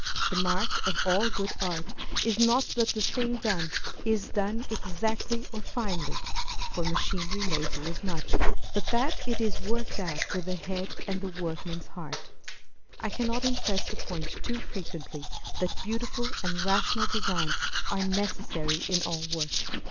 The mark of all good art is not that the thing done is done exactly or finely, for machinery may do as much, but that it is worked out with the head and the workman's heart. I cannot impress the point too frequently that beautiful and rational designs are necessary in all work.